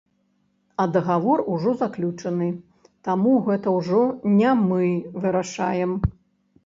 А дагавор ужо заключаны, таму гэта ўжо не мы вырашаем.